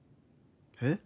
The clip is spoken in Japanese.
えっ？